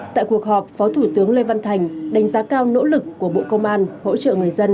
tại cuộc họp phó thủ tướng lê văn thành đánh giá cao nỗ lực của bộ công an hỗ trợ người dân